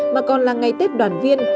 mà còn là ngày tết đoàn viên